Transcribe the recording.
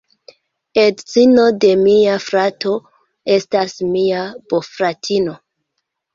Edzino de mia frato estas mia bofratino.